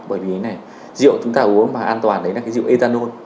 bởi vì rượu chúng ta uống mà an toàn là rượu etanol